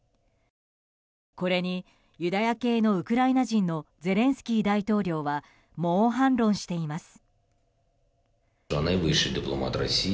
これにユダヤ系のウクライナ人のゼレンスキー大統領は猛反論しています。